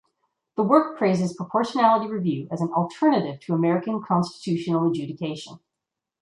The work praises proportionality review as an alternative to American constitutional adjudication.